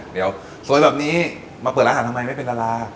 เดี๋ยวสวยแบบนี้มาเปิดร้านอาหารทำไมไม่เป็นดารา